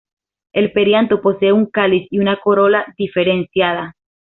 El perianto posee un cáliz y una corola diferenciada.